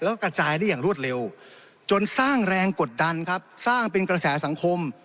แล้วก็กระจายได้อย่างรวดเร็วจนสร้างแรงกดดันครับสร้างเป็นกระแสสังคม